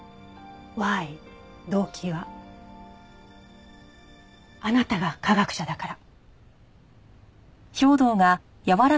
ＷＨＹ動機はあなたが科学者だから。